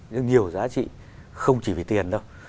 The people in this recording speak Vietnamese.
những nhiều giá trị không chỉ vì tiền đâu